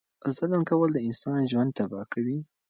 ظلم کول د انسان ژوند تبا کوي.